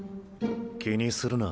気にするな。